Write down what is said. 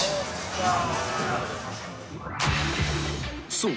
［そう。